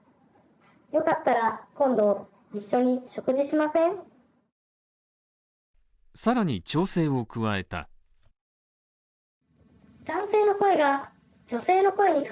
よかったら今度一緒に食事しませんか。